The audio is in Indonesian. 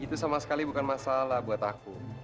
itu sama sekali bukan masalah buat aku